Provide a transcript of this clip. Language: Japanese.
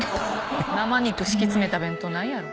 生肉敷き詰めた弁当ないやろ。